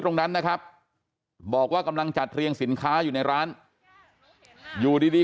ตรงนั้นนะครับบอกว่ากำลังจัดเรียงสินค้าอยู่ในร้านอยู่ดีดี